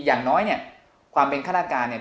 อย่างน้อยเนี่ยความเป็นฆาตการเนี่ย